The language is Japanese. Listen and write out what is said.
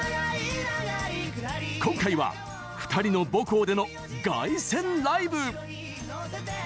今回は、２人の母校での凱旋ライブ。